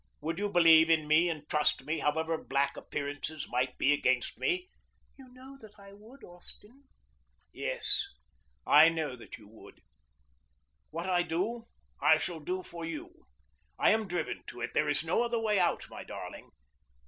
Would you believe in me and trust me however black appearances might be against me?" "You know that I would, Austin." "Yes, I know that you would. What I do I shall do for you. I am driven to it. There is no other way out, my darling!"